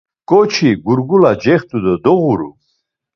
Ǩoçi gurgula cext̆u do doğuru.